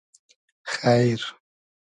خݷر